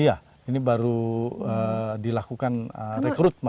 iya ini baru dilakukan rekrutmen